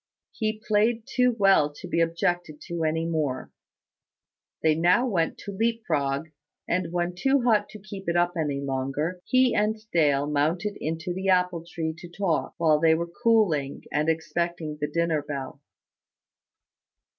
He played too well to be objected to any more. They now went to leap frog; and when too hot to keep it up any longer, he and Dale mounted into the apple tree to talk, while they were cooling, and expecting the dinner bell.